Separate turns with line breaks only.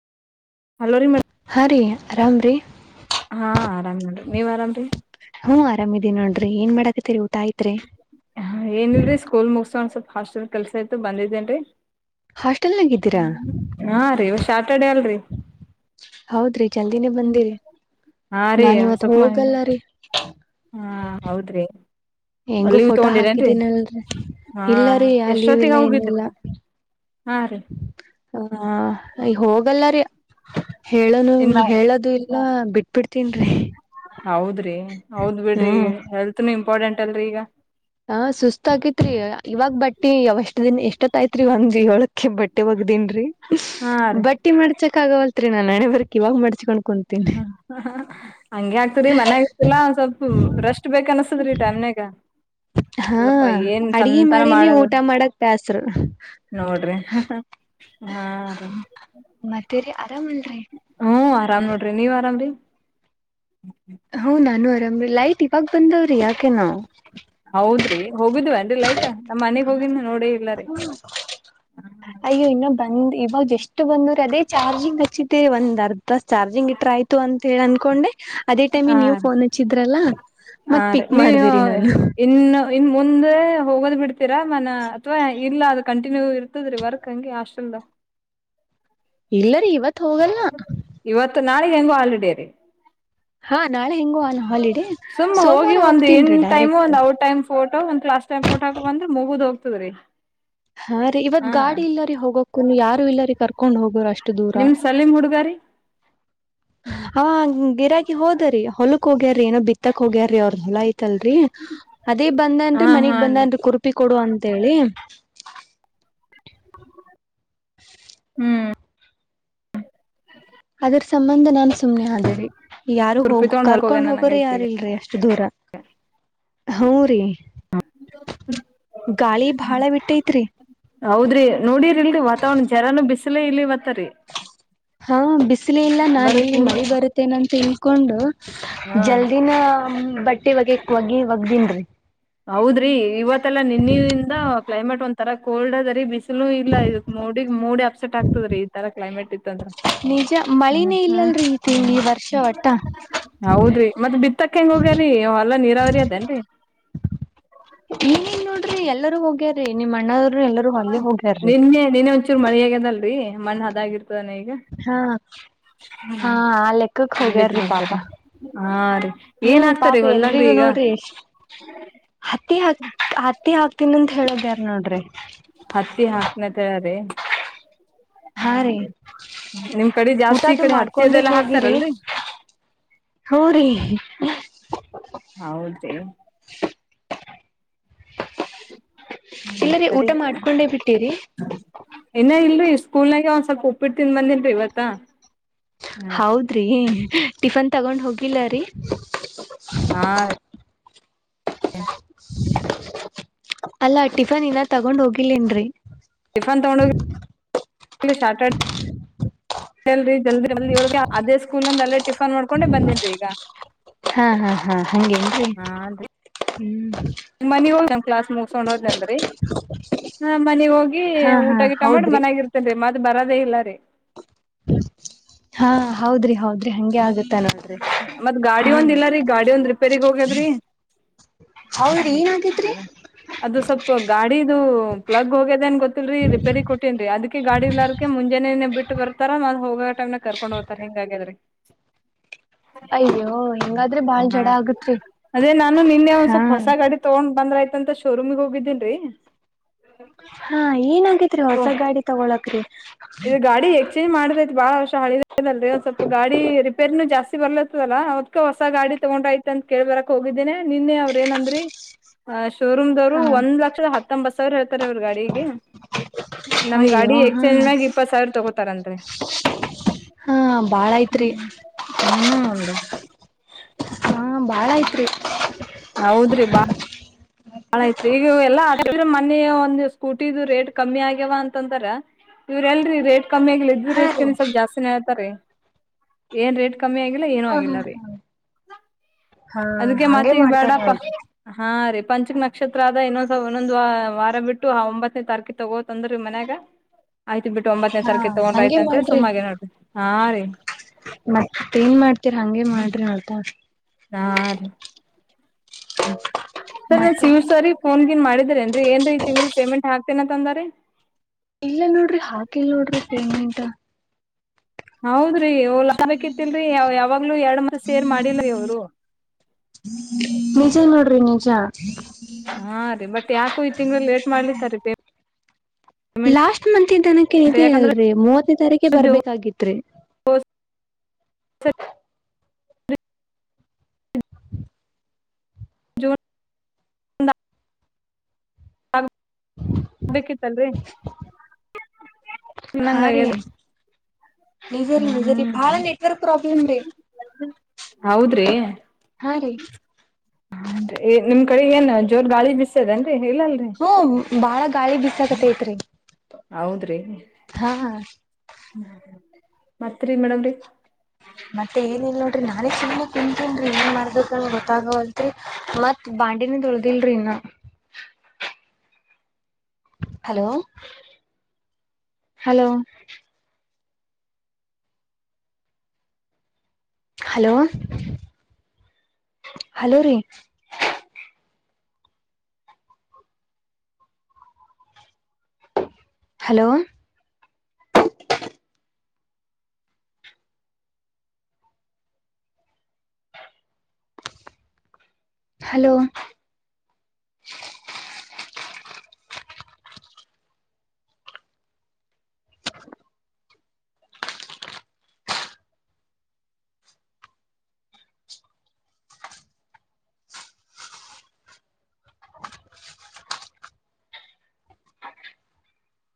Hello ರೀ ಮೇಡ್
ಹಾ ರೀ ಆರಾಮ್ ರೀ
ಹಾ ಆರಾಮ್ ನೋಡಿ ನೀವ್ ಆರಾಮ್ರಿ
ಹ್ನು ಆರಾಮಿದೀ ನೋಡ್ರಿ ಏನ್ ಮಾಡಾಕತಿರಿ ಊಟ ಆಯ್ತ್ರಿ
ಹಾ ಏನಿಲ್ರರಿ ಸ್ಕೂಲ್ ಮುಗಸ ಸ್ವಲ್ಪ ಹಾಸ್ಟೆಲ್ ಕೆಲ್ಸ ಇತ್ತು ಬಂದಿದ್ದೇನ್ರರಿ
[unintelligible] ಗಿದ್ದೀರಾ [unintelligible]
[unintelligible] ಕಡೆ ಅಲ್ರಿ
ಹೌದ್ರಿ ಜಲ್ದಿನೇ ಬಂದಿರಿ
ಹಾ ರೀ
ನಾನು ಇವತ್ತು
ಸ್ವಲ್ಪ ಹಂಗ
ಹೋಗಲ್ಲ ರೀ
ಹಾ ಹೌದ್ರಿ
ಹೆಂಗೂ
ಅಲ್ಲಿಗೂ
ಫೋಟೋ
ತಗೊಂಡಿರೇನ್ರಿ
ಹಾಕಿದೀನಲ್ರಿ
ಹಾ
ಇಲ್ಲ ರೀ ಯಾ
ಎಷ್ಟೊತ್ತಿಗೆ ಹೋಗಿದ್ರಿ ಹಾ ರೀ
ಹ ಹೋಗಲ್ಲ ರೀ ಹೇಳನು
ಇನ್ನ
ಹೇಳದು ಇಲ್ಲ ಬಿಟ್ ಬಿಡ್ತೀನಿ
ಹೌದ್ರಿ ಹೌದ್ ಬಿಡ್ರಿ ಹೆಲ್ತ್ನು ಇಂಪಾರ್ಟೆಂಟ್ ಅಲ್ರರಿ ಈಗ
ಹಾ ಸುಸ್ತ ಆಗೇತ್ರಿ ಇವಾಗ ಬಟ್ಟಿವಷ್ಟ ದಿನ ಎಷ್ಟೊತ್ತ ಐತ್ರಿ ಒಂದ್ [unintelligible] ಳಕ್ಕೆ ಬಟ್ಟಿಗ ರಿ
ಹಾ ರೀ
ಬಟ್ಟಿ ಮಾಡ್ಚಕ ಆಗವಲ್ತ್ರಿ ನಾನ್ ಹಣೆಬರ್ಕ್ ಇವಾಗ ಮಾಡ್ಸ್ಕೊಂಡ [unintelligible]
ಹ ಹಂಗೆ ಆಗ್ತರಿ ಮನ್ಯಾಗರ್ತಿಲ್ಲ ಸ್ವಲ್ಪ ರಷ್ಟ್ ಬೇಕ ಅನ್ಸತದ್ರಿ ಟೈಮ್ನ [unintelligible] ಗ [unintelligible]
ಹಾ
ಅಲ್ಲಪ್ಪಾ ಏನ್
ಅಡ್ಗಿ
ಚಂತನ
ಮಾಡಿನಿ
ಮಾಡದು
ಊಟ ಮಾಡಕ್ ಬ್ಯಾಸ್ರು.
[unintelligible] ನೋಡ್ರಿ ಹಾ
ಮತ್ತೇರಿ ಆರಾಮಲ್ರರಿ
ಹ್ಮ್ ಆರಾಮ್ ನೋಡ್ರಿ ನೀವ್ ಆರಾಮ್ರಿ
ಹ್ಮ [unintelligible] ಲೈಟ್ ಇವಾಗ ಬಂದವ್ರಿ ಯಾಕೆ ನಾವವು
ಹೋಗಿದ್ವ ಅನ್ಲ್ಲ ಆಯ್ತಾ ನಮ್ಮ್ ಮನೆಗ್ ಹೋಗಿದ್ ನೋಡಿ ಇಲ್ಲ ರೀ
ಅಯ್ಯೋ ಇನ್ನ ಬಂದ್ ಇವಾಗ ಎಷ್ಟಟ್ ಬಂದ್ರೆ ಅದೇ ಚಾರ್ಜಿಂಗ್ ಹಚ್ಚಿದ್ದೇರಿ ಒಂದ ಅರ್ಧ ಅ ಚಾರ್ಜಿಂಗ್ ಇಟ್ರ ಆಯ್ತು ಅಂತ ಹೇಳಿ ಅನ್ಕೊಂಡೆ ಅದೇ
ಹ
ಟೈಮಿ ನೀವವು ಫೋನ್ ಹಚ್ಚಿದ್ರಲ್ಲ
ಹ
ಮತ್
ರೀ
ಪಿಕ್
ನೀ
ಮಾಡ್ದಿರಿ ನಾನು
ಇನ್ನು ಇ ಮುಂದೆ ಹೋಗೋದ್ ಬಿಡ್ತೀರಾ ಮನ ಅಥ್ವಾ ಇಲ್ಲ ಅದ ಕಂ ನೀವು ಇರ್ತದ್ರಿ ವರ್ಕ್ ಹಂಗೆ ಹಾಸ್ಟೆಲ್ದ
ಇಲ್ಲರಿೀ ಇವತ್ ಹೋಗಲ್ನ
ನಾಳೆಗ್ ಹೆಂಗೋ ಆಲ್ರೆಡಿ ರೀ
ಹಾ ನಾಳೆ ಹೆಂಗೋ ಹಾಲಿಡೇ.
ಸುಮ್ಮ ಹೋಗಿ
ಸೋಮವಾರ
ಒಂದ್ ಏನ್
ಹೋಗ್ತೀನ್ರಿ
ಟೈಮು
ಡೈರೆಕ್ಟ್
ಒಂದ ಔ ಟೈಮ್ ಫೋಟೋ ಒ ಲಾಸ್ಟ್ ಟೈಮ್ ಫೋಟಾಕ ಬಂದ್ರ ಮುಗುದ್ ಹೋಗ್ತದ್ರೀ
ಹಾ ರೀ ಇವತ್ ಗಾಡಿ ಇಲ್ಲರಿ ಹೋಗಕ್ಕು ಯಾರು ಇಲ್ಲರಿ ಕರ್ಕೊಂಡ್ ಹೋಗೋರು ಅಷ್ಟೇ
ನಿಮ ಸಲೀಮ್ ಹುಡ್ಗಾರಿ
ಅವ ಗಿರಾಕಿ ಹೋದ್ರರಿ ಹೊಲಕ್ ಹೋಗ್ಯಾರೀ ಏನೋ ಬಿತ್ತಕ್ ಹೋಗ್ಯಾರೀ ಅವ ಹೊಲ ಆಯತಲ್ರರಿ ಅದೇ ಬಂದ ಅನ್್ರೀ
ಹಾ
[unintelligible]
ಹಾ
ಮನಗ್ ಬಂದ ಅನ್್ರಿ ಕುರುಪಿ ಕೊಡು ಅಂತ ಹೇಳಿ
ಹ್ಮ್
ಅದ್ರ ಸಂಬಂಧ ನಾನ್ ಸುಮ್ನೆ ಆದೇರಿ ಯಾರು
ತುರ್ಪಿ
ಹೋಗ
ತಗೊಂಡ್ ಹೊಲ್ಗ
ಕರ್ಕೊಂಡ್
ಹೋಗ್ಯಾನ
ಹೋಗೋರೆ
ನಂಗೈತ್ರಿ
ಯಾರು ಇಲ್ರಿ ಅಷ್ಟ ದೂರ ಹೌ ರೀ ಗಾಳಿ ಬಾಳ ಬಿಟ್ಟೈತ್ರಿ
ಲ ಇಲ್ಲಿ ಇವತ್ತರಿೀ
ಹಾಂ ಬಿಸಿಲ ಇಲ್ಲ ನಾನು ಇ
ಪೂರ್
ಮಳೆ ಬರುತ್ತೇನೆಂತ ಹಳ್ಕೊಂಡು
ಹಾ
ಜಲ್ದಿನ ಬಟ್ಟೆ ಒಗ್ ಒಗಿ ಒಗ್್ದಿನ್ೀ [unintelligible]
ಹೌದ್ರಿ ಇವತ್ತಲ್ಲಾ ನಿನ್ನಿಂದ ಕ್ಲೈಮೇಟ್ ಒಂದ ತರಾ ಕೋಲ್ಡ್ ಅದ ರೀ ಬಿಸಿ ಇಲ್ಲ ಇದಕ್ ಮೂಡಗ್ ಮೂಡಿ ಅಪ್ಸೆಟ್ ಆಗ್ತದ್ರೀ ಈ ತರ ಕ್ಲೈಮೇಟ್ ಇತ್ತಂದ್ರ
ನಿಜ
ಹ್ಮ
ಮಳಿನೇ
ಹ್ಮ್
ಇಲ್ಲಲ್ರಿ ಈ ತಿಂಗ್ ಈ ವರ್ಷ ಒಟ್ಟ
ಹೌದ್ರಿ ಮತ್ತೆ ಬಿತ್ತಕ್ಕ ಹೆಂಗ ಹೋಗ್ಯರಿೀ ಎಲ್ಲ ನೀರಾವರಿ ಅದೇನ್ರಿ
ನೀನ್ನ್ ನೋಡ್ರಿ ಎಲ್ಲರೂ ಹೋಗ್ಯಾರೀ ನಿಮ್ಮ್ ಅಣ್ಣವ್ರು ಎಲ್ಲರೂ ಅಲ್ಲೇ ಹೋಗ್ಯಾರ್ರಿ
ನಿನ್ನೆ ನಿನ್ನೆ ಒಂಚೂರು ಮಳಿ ಆಗ್ಯದಲ್ರರಿ ಮಣ್ಣ ಅದಾಗಿರರಿ
ಹಾ ಹಾ ಆ ಲೆಕ್ಕಕ್
ಅದ್ ಬಿತ್
ಹೋಗ್ಯಾರಿ ಪಾಪ
ಬರ್ತಾರ ಹಾ ರೀ ಏನ್
ಹ್ಮ್ ಪಾಪ
ಹಾಕ್ತಾರಿ ಹೊಲ್ದಾಗ್ರಿ
ಎಲ್ರಿಗೂೋ
ಈಗ
ನೋಡ್ರಿ ಹತ್ತಿ ಹಾಕ್ ಹತ್ತಿ ಹಾಕ್ತನ ಅಂತ ಹೇಳೋದ ಯಾರ ನೋಡ್ರಿ
ಹತ್ತಿ ಹಾಕ್ನ ತಯಾರಿ
ಹಾ ರೀ
ಹಾದ ನಿಮ್ ಕಡೆ ಜಾಸ್ತಿ ಈ
ಊಟದು
ಕಡೆ ಹತ್ತಿದೆಲ್ಲ ಹಾಕ್ತಾರಲ್ರಿರಿ
ಹಊ ರೀ
ಹೌದು ರೀ ಹ್ಮ
ಇಲ್ಲರಿ
ಸರಿ
ಊಟ ಮಾಡ್ಕೊಂಡೆ ಬಿಟ್ಟಿರಿ
ಇನ್ನ ಇಲ್ರಿ ಇಷ್ಟ ಸ್ಕೂಲ್ ನಾಗೆ ಒಂದ್ ಸ್ವಲ್ಪ ಉಪ್ಪಿಟ್ಟು ತಿಂದನ್ ಬಂದಿನ್ರಿ ಇವತ್ತ
ಹೌದ್ರಿ ಟಿಫನ್ ತಗೊಂಡ್ ಹೋಗಿಲ್ಲ ರೀ
ಹಾ ಹಾ
ಅಲ್ಲಾ ಟಿಫನ್ ನ ತಗೊಂಡ್ ಹೋಗಿಲನ್ರಿ
ಟರಿಫನ್ ತಗೊಂಡ ಹೋಗಿ ಅ ಶ್ಯಾಟರಡೆ ಲ್ರಿ ಜಲ್ದಿ ಜಲ್ದಿಳಗೆ ಅದೇ ಸ್ಕೂಲ್ ನಂದ ಅಲ್ಲೇ ಟಿಫನ್ ಮಾಡ್ಕೊಂಡೆ ಬಂದಿದಿ ಈಗ
ಹಂಗೆ ಹೇನ್ರಿ
ನಿ್ [unintelligible] ಮನ ಹೋಗದ್ ನಮ್ ಕ್ಲಾಸ್ ಮುಗಸ್ಕೊಂಡ್ ಹೋದ್ನನ್ರಿ ಹಾ ಮನಗ್
ಹಾ ಹಾ
ಹೋಗಿಊಟ ಗೀಟಾ ಮಾಡಿ
ಹೌದ್ರಿ
ಮನ್ಯಾಗ ಇರ್ತೇನ್ ಮತ ಬರದೇ ಇಲ್ಲ ರೀ
ಹಾ ಹೌದ್ರಿ ಹೌದ್ರಿ ಹಗೆ ಆಗತ್ತ ನೋ
ಮತ್ ಗಾಡಿ ಒಂದ ಇಲ್ಲ ರೀ ಗಾಡಿ ಒಂದ್ ರಿಪೇರಿಗ್ ಹೋಗ್ಯದ್ರಿ
ಹೌದ್ರಿ ಏನಾಗೇತ್ರಿ
ಹ್ಮ ಅದು ಸ್ವಲ್ಪ ಗಾಡಿದ ಪ್ಲಗ್ ಹೋಗ್ಯದೇನ್ ಗೊತ್ತ ರಿ ರಿಪೇರಿ ಕೊಟ್ಟೇನ್ರಿ ಅದ್ಕ್ಕೆ ಗಾಡಿ ಇಲ್ಲಾರಕ್ಕೆ ಮುಂಜಾನೆನೆ ಬಿಟ್ಟು ಬರ್ತಾರ ಹೋಗೋ ಟೈಮ್ನಾಗ ಕರ್ಕೊಂಡ್ ಹೋಗ್ತಾರ ಹಿಂಗಗಾದ್ರೆ
ಅಯ್ಯೋ ಹೆಂಗಾದ್ರೆ ಬಾಳ್ ಜಡ ಆಗತ್ರಿ
ಅದೇ ನಾನು ನಿನ್ನೆ ಒಂದ್
ಹಾ
ಸ್ವಲ್ಪ ಹೊಸ ಗಾಡಿ ತೊಗೊಂಡ್ ಬಂದ್ರ ಆ್ತಂತ ಶೋರೂಮಗ್ ಹೋಗಿದ್ದೀನ್ರರಿ
ಹಾ ಏನಾಗೇತರಿ
ಓ
ಹೊಸ ಗಾಡಿ ತಗೊಳಕ್ರಿ
ಇದು ಗಾಡಿ ಎಕ್ಸ್ಚೇಂಜ್ ಮಾಡ ಬಹಳ ವರ್ಷ ಹಳಿದದಲ್ರಿ ಒಂದ್ ಸ್ವಲ್ಪ ಗಾಡಿ ರಿಪೇರ್ ನನು ಜಾಸ್ತಿ ಬರ್ಲತದಲ್ಲ ಅವ್ಕ ಹೊಸ ಗಾಡಿ ತಗೊಂಡ್ರೆ ಆತ್ ಅಂತ ಕೇಳಳ್ ಬರಕ್ ಹೋಗಿದ್ದೇನೆ ನಿನ್ನೆ ಅವ್ರ ಏನಂದ್ರೀ ಅ ಶೋರೂಮ್ ದವ್ರ
ಹಾ
ಒಂದ್ ಲಕ್ಷದ ಹತ್ತೊಂಬತ್ ಸಾವಿರ ಹೇಳ್ತಾರೆ ಇವರು ಗಾಡಿಗೆ ನಮ ಗಾಡಿ
ಅಯ್ಯೋ ಹಾ
ಎಕ್ಚೇಂಜ್ ಮ್ಯಾಗ ಇಪ್ಪತ್ ಸಾವಿರ ತಗೋತಾರನ್ರಿ
ಹಾ ಬಾಳ ಐತ್ರಿ
ಹ್ಮ್ ಹ್ಮ್
ಹಾ ಭಾಳ ಐತರೀ
ಹೌದ್ರಿ ಮೋನೆಯ ಒಂದು ಸ್ಕೂಟಿದು ರೇಟ್ ಕಮ್ಮಿ ಆಗ್ಯವ ಅಂತಂದ್ರ ಇವ್ರ ಎಲ್ರಿ ರೇಟ್ ಕಮ್ಮಿ ಆಗ್ಲಿ ಇದ್ರ
ಹಾ
ರೇಟ್
ರೀ
ಸ್ವಲ್ಪ ಜಾಸ್ತಿನ ಹಳ್ತಾರೆ ಏನ್ ರೇಟ್ ಕಮ್ಮಿ ಆಗಿಲ್ಲ ಏನೂ
ಹಾ
ಆಗಿಲ್ಲ ರೀ
ಹಾ ಹಾ
ಅದಕ್ಕೆ
ಹಂಗೆ
ಮತಿಗ್
ಮಾಡ್ತಾರ
ಬೇಡಪ್ಪ
ನೋಡ್ರಿ
ಹಾ ರಿ ಪಂಚ ನಕ್ಷತ್ರ ಆದ ಇನ್ನೊಂದ್ಸ ಒನ್ನೊಂದು ವಾರ ಬಿಟ್ಟು ಆ ಒಂಬತ್ತನೇ ತಾರೀಕಿ ತಗೋತ್ ಅಂದ್ರಿ ಮನ್ಯಾಗ ಆಯ್ತ ಬಿಟ್ಟು ಒಂಬತ್ತನೇ
ಹಾ
ತಾರೀಕು ತಗೊಂಡ್ರ
ಹಂಗೆ
ಆಯತಂತೆ
ಮಾಡ್ರಿ
ಸುಮ್ಮಾಗೇ ನೋಡ್ರಿ ಹ ರೀ
ಹರ್ ಹಂಗಗೆ ಮಾಡ್ರಿ ಹೇಳ್ತಾರ
ಹಾ ರೀ
ಹ್ಮ
ಸರ್ ನಾನ್ ಶಿವರ್ ಸರಿ ಫೋನ್ಗಿನ್ ಮಾಡಿದ್ರ ಏನ್ರರಿ ಏನ್ರಿ ಈ ತಿಂಗಳ ಪೇಮೆಂಟ್ ಹಾಕ್ತೇನಂತ ಅಂದ್ರ
ಇಲ್ಲ ನೋಡ್ರಿ ಹಾಕಲ್ ನೋಡ್ರಿ ಪೇಮೆಂಟ್
ಹೌದ್ರಿ ಅವ ಬೇಕಿತಿಲ್ರರಿ ಯ ಯಾವಾಗ್ಲೂ ಎರಡ್ ಮಂದ ಸೇರ್ ಮಾಡಿಲ್ರಿ ಅವ್ರ
ನಿಜ ನೋಡ್ರಿ ನಿಜ
ಹಾ ರೀ ಬಟ್ ಯಾಕು ಈ ತಿಂಗಗಳು ಲೇಟ್ ಮಾಡ್ಲಿತ ರೀ
ಲಾಸ್ಟ್ ಮಂತ್ನಕ್ಕೆ
ಪೇಮೆಂಟ್
ಇ
ಯಾಕಂದ್ರ
ಅಲ್ರರಿ ಮೂವತ್ತನೇ ತಾರೀಕೆ ಬರ್ಬೇಕಾಗಿತ್ರಿ
ಹಸ್ ಹ ಹ್ಮ ಹ್ಮ ಜೋ ರ ಹಾಗ ಬೇಕಿತ್ತೇನ್ರೀ
ಹಾ ರೀ
ನಂಗದೆ
ನಿಜರಿ ನಿಜರ್ ಬಾಳ ನೆಟ್ವರ್ಕ್ ಪ್ರಾಬ್ಲಮ ರೀ
ಹೌದ್ರಿ ನಿ ನಿಮ್ಮ್ ಕಡೆ ಏನು ಜೋರ್ ಗಳಿ ಬಿಸ್ದ
ಹ್ಮ ಬಾಳ ಗಾಳಿ ಬಿಸಾಕತ್ತ ಐತ್ರಿ
ಹೌದ್ರಿ ಮೇಡಮ ರೀ
ಮತ್ತೆ ಏನ ಇಲ್ ನೋಡ್ರಿ ನಾನೇ ಸುನೆ ಕುಂತೀನರಿ ಏನ್ ಮರ್ದ ಗೊತ್ತಾಗವಲ್ತ್ರಿ ಮತ್ ಬಾಂಡಿನ ತೊಳ್ದಿಲ್ರಿ ಇ ಹಲೋ ಹಲೋ ಹಲೋ ಹಲೋ ರೀ ಹಲೋ ಹಲೋ